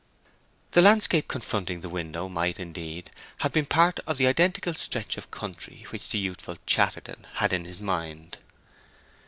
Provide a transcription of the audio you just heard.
The landscape confronting the window might, indeed, have been part of the identical stretch of country which the youthful Chatterton had in his mind.